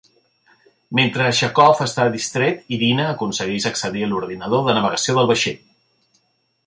Mentre Chekov està distret, Irina aconsegueix accedir a l'ordinador de navegació del vaixell.